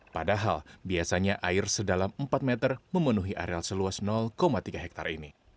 padahal biasanya air sedalam empat meter memenuhi areal seluas tiga hektare ini